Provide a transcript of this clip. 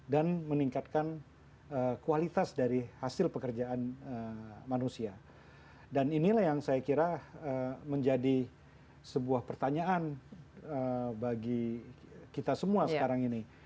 dan meningkatkan kualitas dari hasil pekerjaan manusia dan inilah yang saya kira menjadi sebuah pertanyaan bagi kita semua sekarang ini